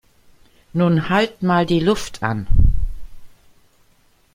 Nun halt mal die Luft an!